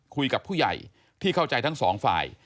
คุยกับผู้ใหญ่ที่เข้าใจทั้งสองฝ่าย